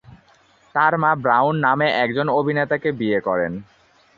তার মা ব্রাউন নামে একজন অভিনেতাকে বিয়ে করেন।